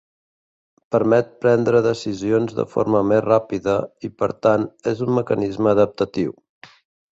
Permet prendre decisions de forma més ràpida i per tant és un mecanisme adaptatiu.